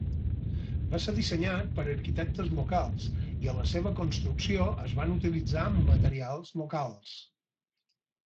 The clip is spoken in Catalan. Va ser dissenyat per arquitectes locals i a la seva construcció es van utilitzar materials locals.